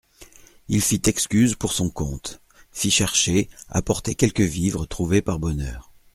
Il fit excuse pour son compte, fit chercher, apporter quelques vivres trouvés par bonheur.